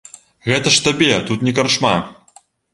Гэта ж табе тут не карчма!